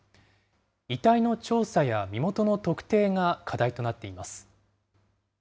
遺体の調査や身元の特定が課題となっています。